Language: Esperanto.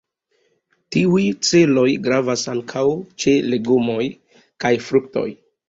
Tiuj celoj gravas ankaŭ ĉe legomoj kaj fruktoj.